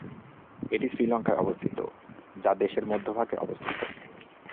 এটি শ্রীলঙ্কায় অবস্থিত, যা দেশের মধ্যভাগে অবস্থিত।